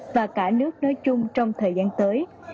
và cả nước nói chung trong thời gian tới